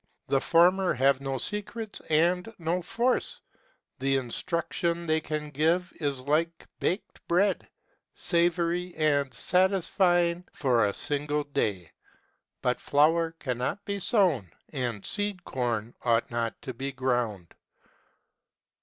The former have no secrets and no force : the instruction they can give is like baked bread, savory and satisfying for a single clay ; but flour cannot be sown, and seed corn ought not to be ground.